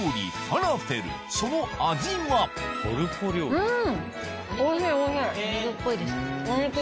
うん。